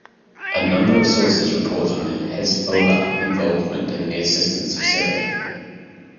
A number of sources report on Hezbollah involvement with the assistance of Syria.